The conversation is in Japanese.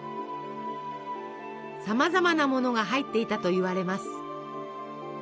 さまざまなものが入っていたといわれます。